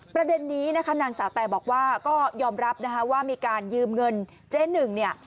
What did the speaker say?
ประเด็นนี้นะคะนางสาวแตบอกว่าก็ยอมรับนะคะว่ามีการยืมเงินเจ๊หนึ่งเนี่ย